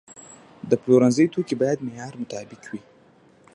د پلورنځي توکي باید د معیار مطابق وي.